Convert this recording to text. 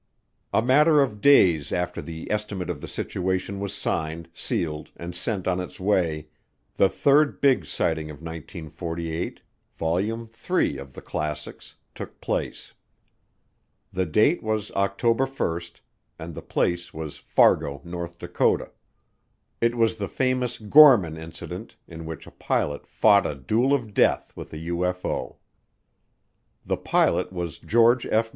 A matter of days after the Estimate of the Situation was signed, sealed, and sent on its way, the third big sighting of 1948, Volume III of "The Classics," took place. The date was October 1, and the place was Fargo, North Dakota; it was the famous Gorman Incident, in which a pilot fought a "duel of death" with a UFO. The pilot was George F.